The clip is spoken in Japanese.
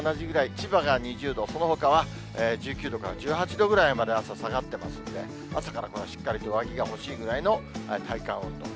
千葉が２０度、そのほかは１９度から１８度ぐらいまで朝、下がってますんで、朝からしっかり上着が欲しいぐらいの体感温度と。